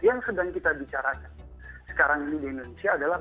yang sedang kita bicarakan sekarang ini di indonesia adalah